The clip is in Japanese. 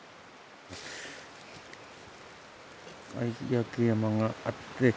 有明山があって。